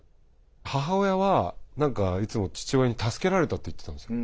母親は何かいつも父親に助けられたって言ってたんですよ。